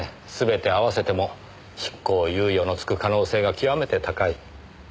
すべて合わせても執行猶予のつく可能性がきわめて高い。